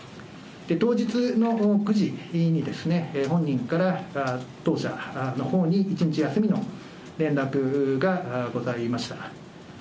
当日の９時にですね、本人から当社のほうに１日休みの連絡がございました。